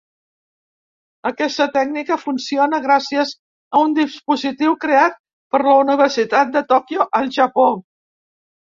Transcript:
Aquesta tècnica funciona gràcies a un dispositiu creat per la Universitat de Tòquio al Japó.